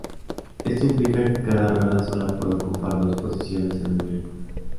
Esto implica que cada rueda sólo puede ocupar dos posiciones en el vehículo.